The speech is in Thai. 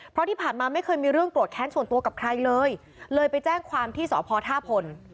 เพราะที่ผ่านมาไม่เคยมีเรื่องโกรธแค้นส่วนตัวกับใครเลยเลยไปแจ้งความที่สพท่าพล